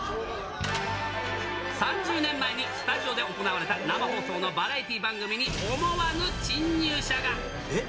３０年前にスタジオで行われた生放送のバラエティ番組に、えっ？